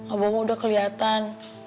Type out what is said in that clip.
abah mah udah keliatan